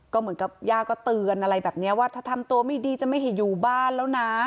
ก็เหมือนกับย่าก็เตือนอะไรแบบนี้ว่าถ้าทำตัวไม่ดีจะไม่ให้อยู่บ้านแล้วนะ